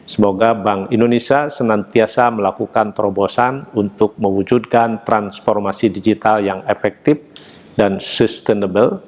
semoga bank indonesia senantiasa melakukan terobosan untuk mewujudkan transformasi digital yang efektif dan sustainable